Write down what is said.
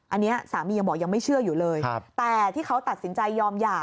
อันนี้สามียังบอกยังไม่เชื่ออยู่เลยแต่ที่เขาตัดสินใจยอมหย่า